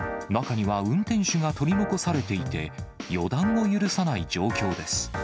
中には運転手が取り残されていて予断を許さない状況です。